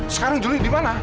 sekarang juli dimana